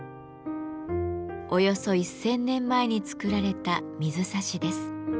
およそ１，０００年前に作られた水差しです。